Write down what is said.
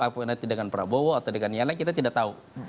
apakah nanti dengan prabowo atau dengan yang lain kita tidak tahu